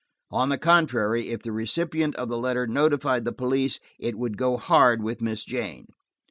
On the contrary, if the recipient of the letter notified the police, it would go hard with Miss Jane.